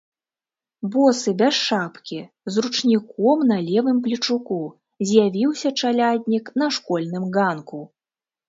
Босы, без шапкі, з ручніком на левым плечуку, з'явіўся чаляднік на школьным ганку.